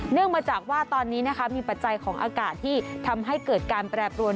เนื่องมาจากว่าตอนนี้มีปัจจัยของอากาศที่ทำให้เกิดการแปรบรวม